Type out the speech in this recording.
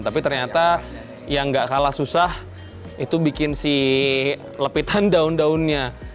tapi ternyata yang gak kalah susah itu bikin si lepitan daun daunnya